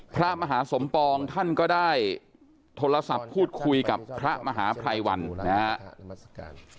พระมหาสมปองท่านก็ได้โทรศัพท์พูดคุยกับพระมหาภัยวันนะครับ